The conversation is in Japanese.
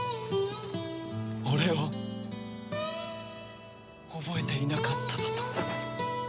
俺を覚えていなかっただと？